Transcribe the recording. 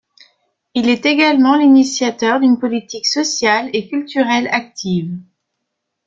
Il est également l'initiateur d'une politique sociale et culturelle active.